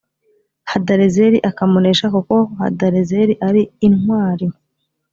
hadarezeri akamunesha kuko hadarezeri ari intwali